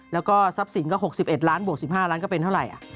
แล้วก็ทรัพย์สินก็๖๑ล้านบวก๑๕ล้านก็เป็นเท่าไหร่